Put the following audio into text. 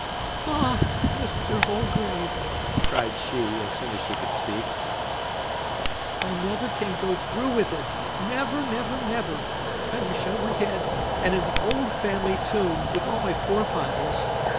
"Ah, Mr. Holgrave," cried she, as soon as she could speak, "I never can go through with it! Never, never, never! I wish I were dead, and in the old family tomb, with all my forefathers!